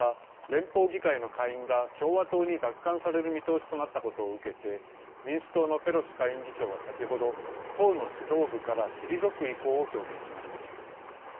連邦議会の下院が共和党に奪還される見通しとなったことを受けて民主党のペロシ下院議長は先ほど党の指導部から退く意向を表明しました。